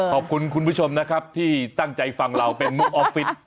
ขอบคุณคุณผู้ชมนะครับที่ตั้งใจฟังเราเป็นมุกออฟฟิศ